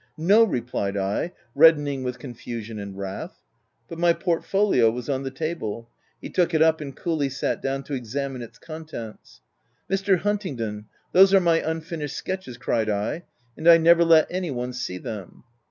" No," replied I, reddening with confusion and wrath. But my portfolio was on the table; he took it up, and coolly sat down to examine its contents. "Mr. Huntingdon, those are my unfinished sketches," cried I, " and I never let any one see them."